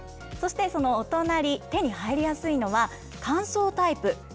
そしてそのお隣、手に入りやすいのは、乾燥タイプ。